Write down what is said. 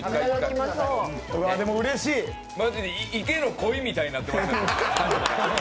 マジで、池の鯉みたいになってる。